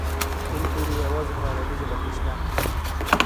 کوم توري یوازې په عربي ژبه کې شته؟